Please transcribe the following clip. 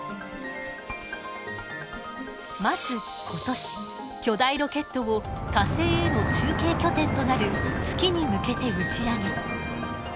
まず今年巨大ロケットを火星への中継拠点となる月に向けて打ち上げ。